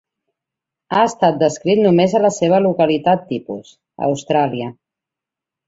Ha estat descrit només a la seva localitat tipus, a Austràlia.